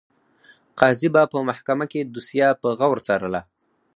قاضي به په محکمه کې دوسیه په غور څارله.